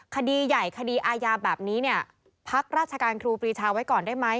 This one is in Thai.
คดีใหญ่คดีอาญาแบบนี้เนี่ยพักราชการครูปรีชาไว้ก่อนได้ไหม